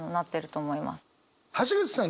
橋口さん